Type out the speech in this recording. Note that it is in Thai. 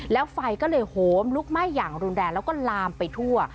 แล้วไฟก็เลยโหมลุกไหม้อย่างรุนแรงแล้วก็ลามไปทั่ว